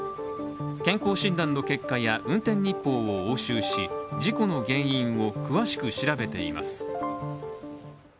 健康診断の結果や運転日報を押収し事故の原因を詳しく調べています。